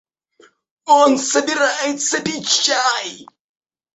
Он собирается пить чай!